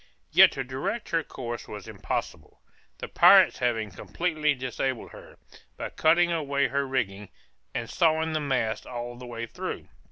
Yet to direct her course was impossible; the pirates having completely disabled her, by cutting away her rigging and sawing the masts all the way through.